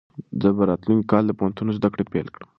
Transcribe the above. زه به راتلونکی کال د پوهنتون زده کړې پیل کړم.